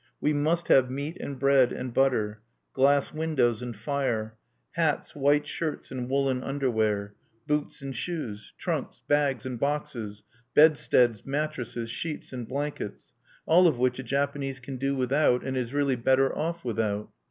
We must have meat and bread and butter; glass windows and fire; hats, white shirts, and woolen underwear; boots and shoes; trunks, bags, and boxes; bedsteads, mattresses, sheets, and blankets: all of which a Japanese can do without, and is really better off without.